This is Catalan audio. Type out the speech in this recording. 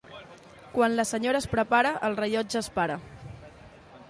Quan la senyora es prepara, el rellotge es para.